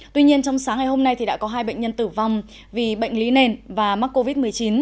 tuy nhiên trong sáng ngày hôm nay thì đã có hai bệnh nhân tử vong vì bệnh lý nền và mắc covid một mươi chín